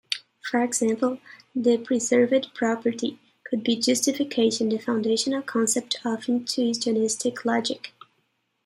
For example, the preserved property could be "justification", the foundational concept of intuitionistic logic.